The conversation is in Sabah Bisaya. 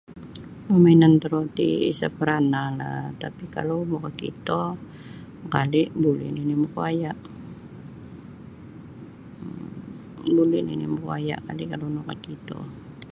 Permainan toroti isa parnah la tapi kalau makito kali buli nini makuaia buli nini kali makuaia kalau nakakito.